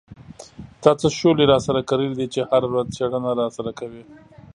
تا څه شولې را سره کرلې دي چې هره ورځ څېړنه را سره کوې.